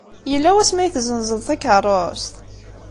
Yella wasmi ay tessenzeḍ takeṛṛust?